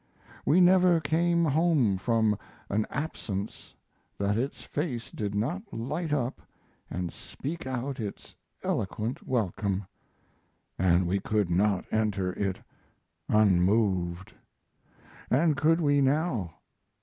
We never came home from an absence that its face did not light up & speak out its eloquent welcome & we could not enter it unmoved. And could we now?